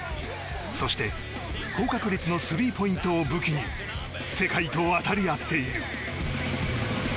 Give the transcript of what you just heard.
そして高確率のスリーポイントを武器に世界と渡り合っている。